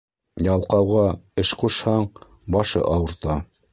Ялҡауға эш ҡушһаң, башы ауырта.